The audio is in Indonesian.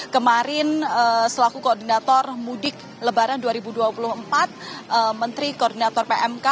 kemarin selaku koordinator mudik lebaran dua ribu dua puluh empat menteri koordinator pmk